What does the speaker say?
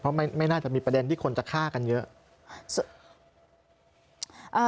เพราะไม่น่าจะมีประเด็นที่คนจะฆ่ากันเยอะ